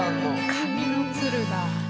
『紙の鶴』だ。